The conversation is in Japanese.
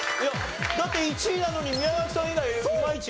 だって１位なのに宮崎さん以外イマイチね。